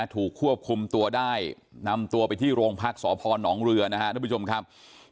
ถูกควบคุมตัวได้นำตัวไปที่โรงพักษพนเรือนะครับทุกผู้ชมครับ